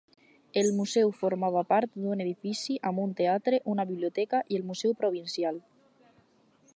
El museu formava part d'un edifici amb un teatre, una biblioteca i el museu provincial.